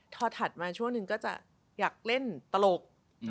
พอถัดมาช่วงหนึ่งก็จะอยากเล่นตลก